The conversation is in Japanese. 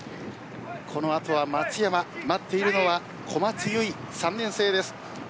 この後は松山、待っているのは小松優衣３年生です。